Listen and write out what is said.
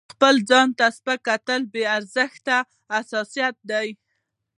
خپل ځان ته په سپکه کتل بې ارزښته احساسات دي.